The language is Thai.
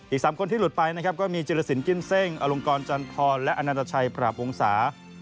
อีก๓คนที่หลุดไปนะครับก็มีจิลสินกิ้นเซ่งอลงกรจันทรและอนันตชัยปราบวงศา